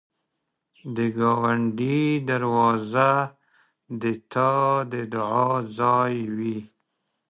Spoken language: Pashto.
د ګاونډي دروازه د تا د دعا ځای وي